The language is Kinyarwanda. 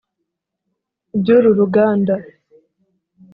byuru ruganda”